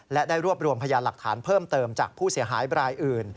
และได้รวบรวมพยานหลักฐานเพิ่มเติมจากผู้เสียหายบรายอื่น